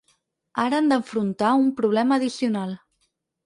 Ara han d’afrontar un problema addicional.